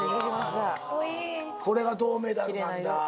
これが銅メダルなんだ。